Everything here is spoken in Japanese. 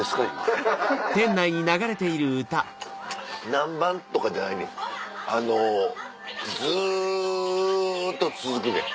何番とかじゃないねんあのずっと続くねん。